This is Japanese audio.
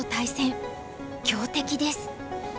強敵です。